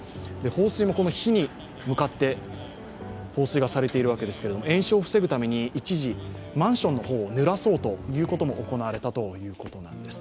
放水も火に向かって放水されているわけですが、延焼を防ぐために一時、マンションの方をぬらそうということも行われたそうです。